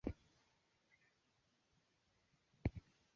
Ina mamlaka kamili ya kuratibu na kusimamia Mpango Mkuu